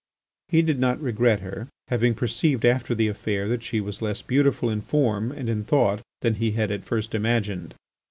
He did not regret her, having perceived after the Affair, that she was less beautiful in form and in thought than he had at first imagined.